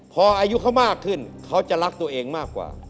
พออายุเขามากขึ้นเขาจะรักตัวเองมากกว่า